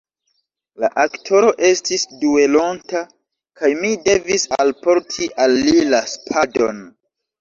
La aktoro estis duelonta, kaj mi devis alporti al li la spadon.